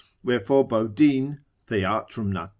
Wherefore Bodine Theat. nat.